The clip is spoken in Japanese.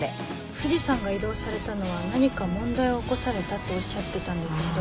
藤さんが異動されたのは何か問題を起こされたっておっしゃってたんですけど。